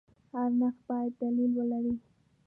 هر نرخ باید دلیل ولري.